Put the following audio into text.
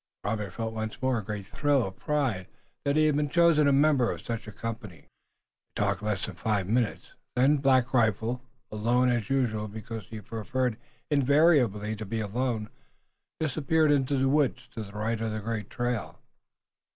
Robert felt once more a great thrill of pride that he had been chosen a member of such a company. They talked less than five minutes. Then Black Rifle, alone as usual because he preferred invariably to be alone, disappeared in the woods to the right of the great trail.